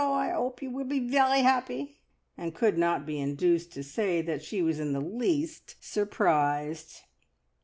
I 'ope you will be very 'appy!" and could not be induced to say that she was in the least surprised.